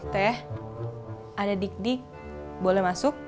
teh ada dik dik boleh masuk